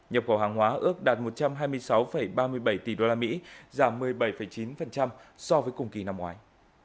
nhập khẩu hàng hóa ước đạt một trăm hai mươi sáu ba mươi bảy tỷ usd giảm một mươi bảy chín so với cùng kỳ năm ngoái